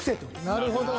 なるほど。